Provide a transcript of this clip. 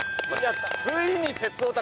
ついに「鉄オタ」